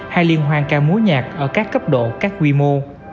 hay liên hoan ca mối nhạc ở các cấp độ các quy mô